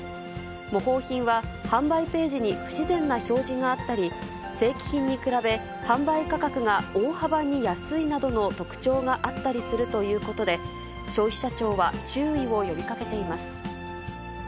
模倣品は、販売ページに不自然な表示があったり、正規品に比べ、販売価格が大幅に安いなどの特徴があったりするということで、消費者庁は注意を呼びかけています。